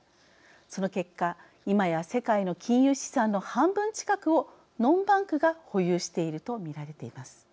その結果、今や世界の金融資産の半分近くをノンバンクが保有していると見られています。